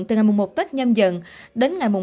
từ ngày một tết nhâm dần đến ngày một tháng